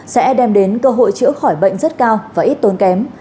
sẽ đem đến cơ hội chữa khỏi bệnh rất cao và ít tốn kém